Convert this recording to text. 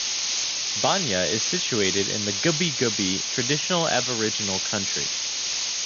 Banya is situated in the Gubbi Gubbi (Kabi) traditional Aboriginal country.